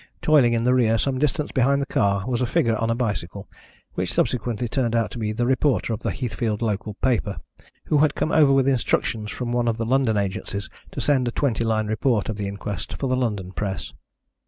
Toiling in the rear, some distance behind the car, was a figure on a bicycle, which subsequently turned out to be the reporter of the Heathfield local paper, who had come over with instructions from one of the London agencies to send a twenty line report of the inquest for the London press.